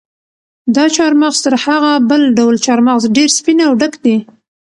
دا چهارمغز تر هغه بل ډول چهارمغز ډېر سپین او ډک دي.